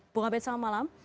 bung abed selamat malam